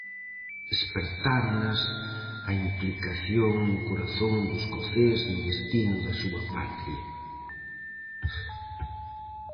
Espertáronas a implicación no corazón do escocés no destino da súa patria.